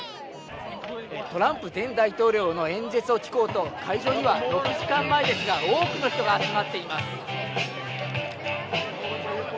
トランプ前大統領の演説を聞こうと会場には、６時間前ですが多くの人が集まっています。